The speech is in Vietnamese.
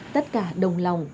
tất cả đồng lòng